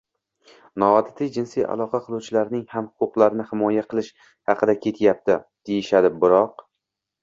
noodatiy jinsiy aloqa qiluvchilarning ham huquqlarini himoya qilish haqida ketyapti» deyishadi. Biroq: